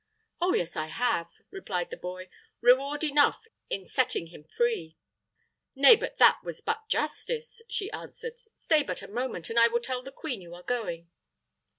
"Oh yes, I have," replied the boy. "Reward enough in setting him free." "Nay, that was but justice," she answered. "Stay but a moment, and I will tell the queen you are going."